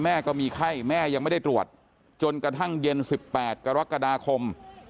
แม่ก็มีไข้แม่ยังไม่ได้ตรวจจนกระทั่งเย็น๑๘กรกฎาคม